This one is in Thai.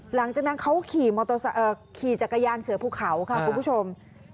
หลังจากนั้นเขาขี่จักรยานเสือภูเขาค่ะคุณผู้ชม